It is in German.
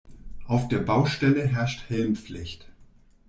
Auf der Baustelle herrscht Helmpflicht.